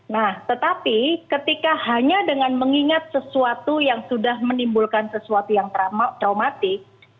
nah tetapi ketika hanya dengan mengingat sesuatu yang sudah menimbulkan sesuatu yang traumatik